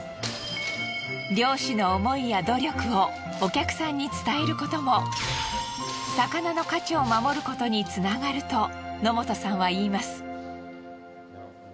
漁師の思いや努力をお客さんに伝えることも魚の価値を守ることにつながると野本さんは言います。